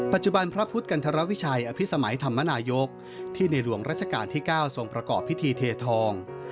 ปัจจุบันพระพุทธกันธรวิชัยอภิษมัยธรรมนายกที่ในหลวงราชการที่๙ทรงประกอบพิธีเททอง